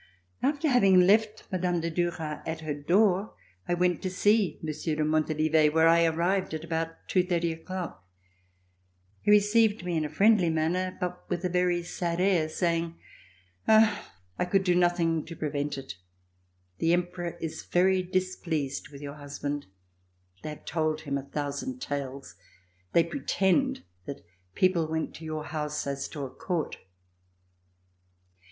After having left Mme. de Duras at her door, I went to see Monsieur de Montalivet, where I arrived at about two thirty o'clock. He received me in a friendly manner, but with a very sad air, saying: AN AUDIENCE WITH NAPOLEON "Ah ! I could do nothing to prevent it. The Emperor is very displeased with your husband. They have told him a thousand tales. They pretend that peoi)le went to your house as to a Court."